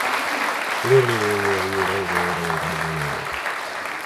Fleming attended Churchville-Chili High School.